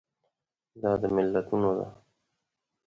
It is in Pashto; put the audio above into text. دا د ملتونو ده.